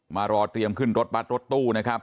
มารอเตรียมขึ้นรถบัตรรถตู้นะครับ